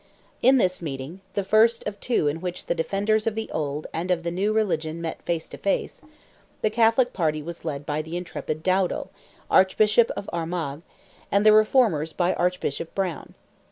In this meeting—the first of two in which the defenders of the old and of the new religion met face to face—the Catholic party was led by the intrepid Dowdal, Archbishop of Armagh, and the Reformers by Archbishop Browne.